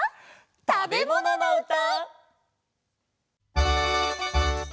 たべもののうた！